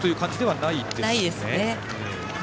ないですね。